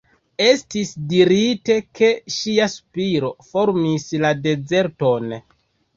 Estis dirite ke ŝia spiro formis la dezerton.